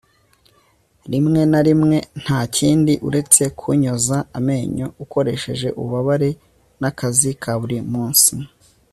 rimwe na rimwe, ntakindi uretse kunyoza amenyo ukoresheje ububabare, nakazi ka buri munsi